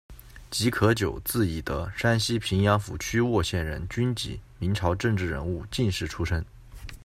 吉可久，字以德，山西平阳府曲沃县人，军籍，明朝政治人物、进士出身。